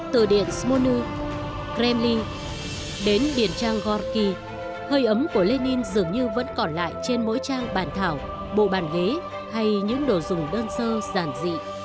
từ điện smonu gramlin đến điền trang golki hơi ấm của lenin dường như vẫn còn lại trên mỗi trang bàn thảo bộ bàn ghế hay những đồ dùng đơn sơ giản dị